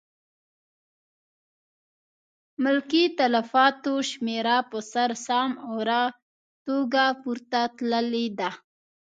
ملکي تلفاتو شمېره په سر سام اوره توګه پورته تللې ده.